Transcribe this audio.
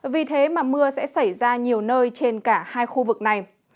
vì thế mà mưa sẽ xảy ra nhiều nơi trên cả hai khu vực này